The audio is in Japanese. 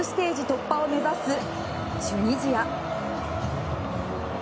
突破を目指すチュニジア。